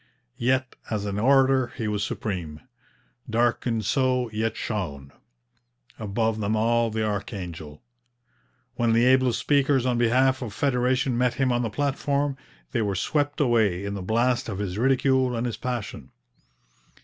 Yet as an orator he was supreme. Darkened so, yet shone Above them all the archangel. When the ablest speakers on behalf of federation met him on the platform, they were swept away in the blast of his ridicule and his passion.